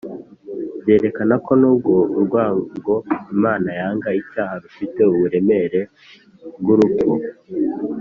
. Byerekana ko n’ubwo urwango Imana yanga icyaha rufite uburemere bw’urupfu,